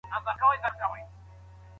که ډوډۍ خرابه وي مه یې خورئ.